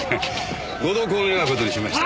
ご同行を願う事にしましたよ。